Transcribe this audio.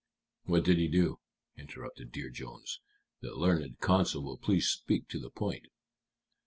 "What did he do?" interrupted Dear Jones. "The learned counsel will please speak to the point."